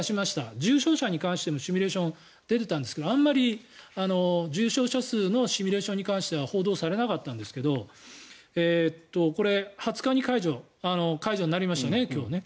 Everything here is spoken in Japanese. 重症者に関してのシミュレーションが出ていたんですがあんまり重症者数のシミュレーションに関しては報道されなかったんですけどこれ、２０日に解除になりましたね、今日ね。